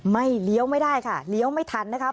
เลี้ยวไม่ได้ค่ะเลี้ยวไม่ทันนะครับ